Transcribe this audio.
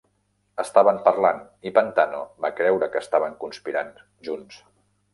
Estaven parlant, i Pantano va creure que estaven conspirant junts.